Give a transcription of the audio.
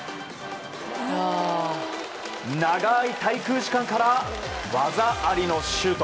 長い滞空時間から技ありのシュート。